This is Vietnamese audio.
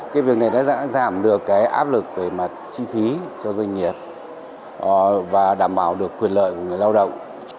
cái việc này đã giảm được cái áp lực về mặt chi phí cho doanh nghiệp và đảm bảo được quyền lợi của người lao động